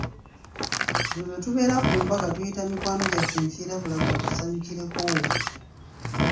Buli lwe tubeera ku mbaga tuyita mikwano gyaffe nfiirabulago batusanyukireko.